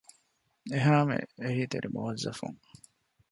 އެހައިމެ އެހީތެރި މުވައްޒަފުން